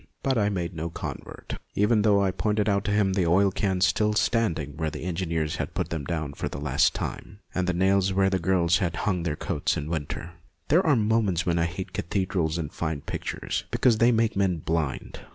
But I made no convert, even though I pointed out to him the oil cans still stand ing where the engineers had put them down for the last time, and the nails where the girls had hung their coats in winter. There MONTJOIE 247 are moments when I hate cathedrals and fine pictures, because they make men blind.